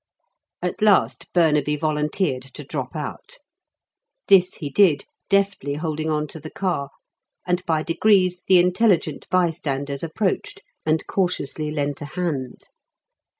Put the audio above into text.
At last Burnaby volunteered to drop out. This he did, deftly holding on to the car, and by degrees the intelligent bystanders approached and cautiously lent a hand.